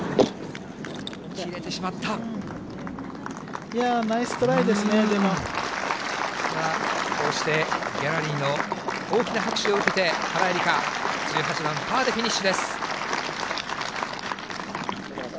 いやー、ナイストライですね、こうしてギャラリーの大きな拍手を受けて、原英莉花、１８番パーでフィニッシュです。